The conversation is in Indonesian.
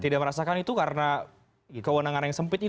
tidak merasakan itu karena kewenangan yang sempit